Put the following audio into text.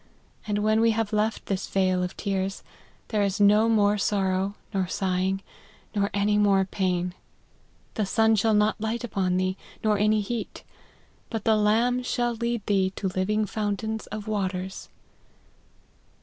And when we have left this vale of tears, there is no more sorrow, nor sighing, nor any more pain. The sun shall not light upon thee, nor any heat ; but the Lamb shall lead thee to living fountains of waters.'